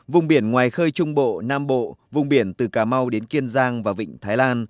vùng biển ngoài khơi trung bộ nam bộ vùng biển từ cà mau đến kiên giang và vịnh thái lan